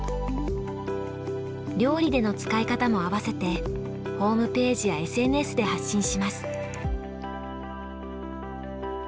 料理での使い方もあわせてホームページやＳＮＳで発信します。